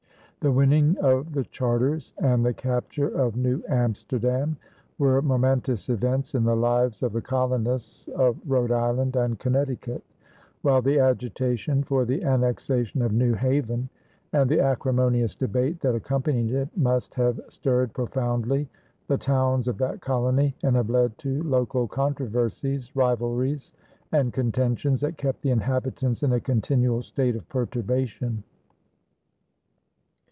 The winning of the charters and the capture of New Amsterdam were momentous events in the lives of the colonists of Rhode Island and Connecticut; while the agitation for the annexation of New Haven and the acrimonious debate that accompanied it must have stirred profoundly the towns of that colony and have led to local controversies, rivalries, and contentions that kept the inhabitants in a continual state of perturbation.